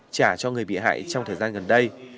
trả cho người bị hại trong thời gian gần đây